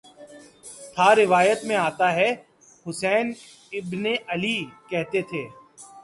تھا روایات میں آتا ہے حسین بن علی کہتے تھے